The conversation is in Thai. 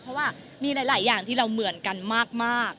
เพราะว่ามีหลายอย่างที่เราเหมือนกันมาก